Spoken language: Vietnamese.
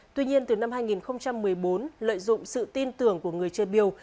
tuy nhiên từ năm hai nghìn một mươi bốn lợi dụng sự tin tưởng của người chơi biêu